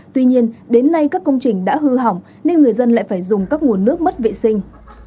tuy nhiên đến nay các công trình đã hư hỏng nên người dân lại phải dùng các nguồn nước mất vệ sinh